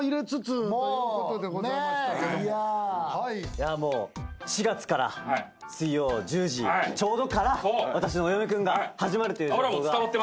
いやもう４月から水曜１０時ちょうどから『わたしのお嫁くん』が始まるという情報が。